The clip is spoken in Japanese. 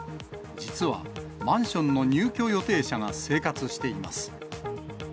実は、マンションの入居予定者が生活しています。